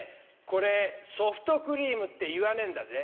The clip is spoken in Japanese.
これソフトクリームって言わねえんだぜ。